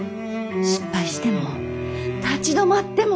失敗しても立ち止まってもいい。